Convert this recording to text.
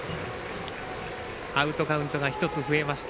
アウトカウントが１つ増えました。